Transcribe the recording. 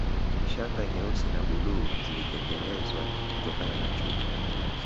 Shanga nyeusi na bluu zilitengenezwa kutokana na chuma